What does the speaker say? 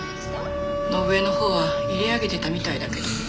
伸枝のほうは入れあげてたみたいだけど。